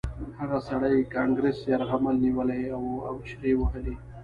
هغه سړي کانګرس یرغمل نیولی و او چیغې یې وهلې